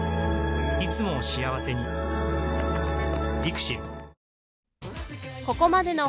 いつもを幸せに ＬＩＸＩＬ